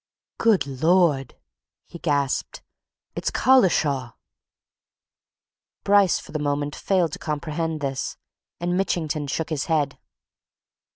"Good Lord!" he gasped. "It's Collishaw!" Bryce for the moment failed to comprehend this, and Mitchington shook his head.